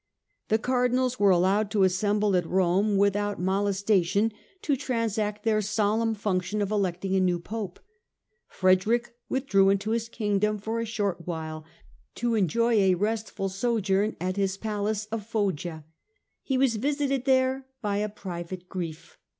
The Cardinals were allowed to assemble at Rome without THE CAPTURED COUNCIL 203 molestation to transact their solemn function of electing a new Pope. Frederick withdrew into his Kingdom for a short while to enjoy a restful sojourn at his palace of Foggia. He was visited there by a private grief.